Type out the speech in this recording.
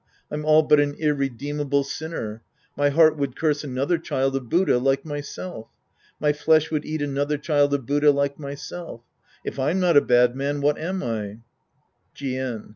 I'm all but an irredeemable sinner. My heart would curse another child of Buddha like myself. My flesh would eat another child of Buddha like myself If I'm not a bad man, what am. I ? Jien.